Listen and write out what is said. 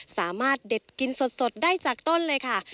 สามารถเด็ดกินสดได้จากต้นเลยค่ะ